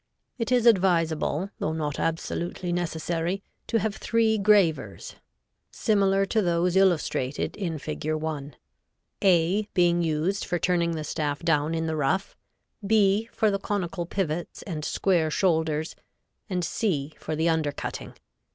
It is advisable, though not absolutely necessary, to have three gravers similar to those illustrated in Fig. 1, A being used for turning the staff down in the rough; B for the conical pivots and square shoulders and C for the under cutting.